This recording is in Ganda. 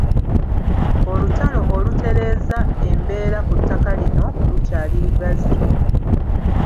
Olutalo okutereeza embeera ku ttaka lino lukyali lugazi.